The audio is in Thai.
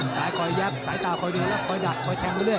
ซ้ายคอยยัดซ้ายตาคอยเดินและคอยดัดคอยแทงเรื่อย